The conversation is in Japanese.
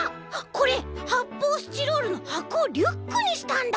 これはっぽうスチロールのはこをリュックにしたんだ！